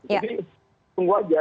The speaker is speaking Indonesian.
jadi tunggu aja